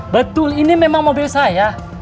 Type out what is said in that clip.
betul ini memang mobil saya